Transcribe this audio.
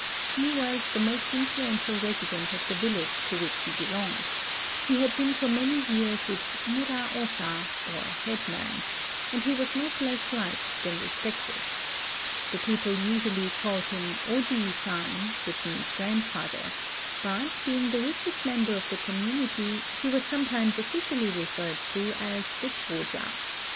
He was the most influential resident of the village to which he belonged : he had been for many years its muraosa, or headman ; and he was not less liked than respected. The people usually called him Ojlisan, which means Grandfather ; but, being the richest member of the commu nity, he was sometimes officially referred to as the Choja.